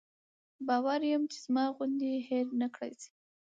باوري یم چې زما غوندې یې هېر نکړای شي.